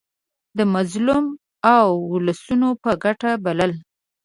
د مظلومو اولسونو په ګټه بلله.